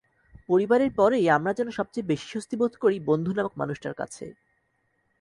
পরিবারের পরেই আমরা যেন সবচেয়ে বেশি স্বস্তিবোধ করি বন্ধু নামক মানুষটার কাছে।